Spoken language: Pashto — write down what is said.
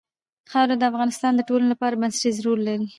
خاوره د افغانستان د ټولنې لپاره بنسټيز رول لري.